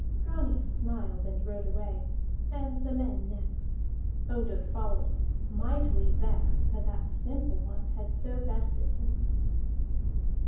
Grani smiled and rode away, and the men next; Ondott followed, mightily vexed that that simple one had so bested him.